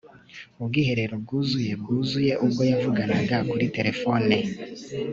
ubwiherero bwuzuye bwuzuye ubwo yavuganaga kuri terefone